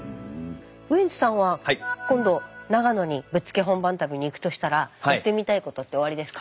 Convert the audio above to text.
ウエンツさんは今度長野にぶっつけ本番旅に行くとしたらやってみたいことっておありですか？